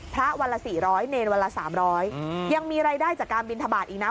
วันละ๔๐๐เนรวันละ๓๐๐ยังมีรายได้จากการบินทบาทอีกนะ